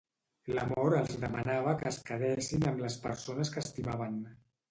L'amor els demanava que es quedessin amb les persones que estimaven.